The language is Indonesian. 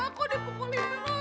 aku dipukulin terus